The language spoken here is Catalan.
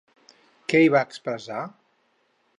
Què hi va expressar?